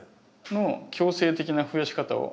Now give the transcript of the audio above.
の強制的なふやし方を。